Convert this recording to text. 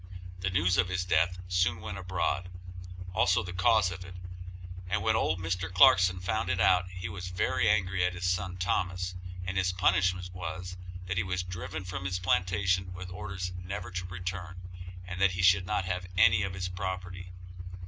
The news of his death soon went abroad, also the cause of it, and when old Mr. Clarkson found it out he was very angry at his son Thomas, and his punishment was, that he was driven from his plantation with orders never to return, and that he should not have any of his property.